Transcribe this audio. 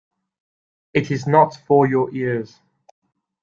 It is not for your ears.